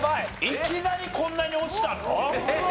いきなりこんなに落ちたの！？